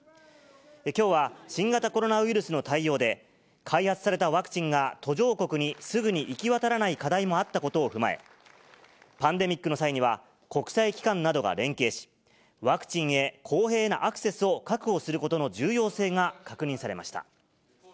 きょうは新型コロナウイルスの対応で、開発されたワクチンが途上国にすぐに行き渡らない課題もあったことを踏まえ、パンデミックの際には国際機関などが連携し、ワクチンへ公平なアクセスを確保することの重要性が確認されました。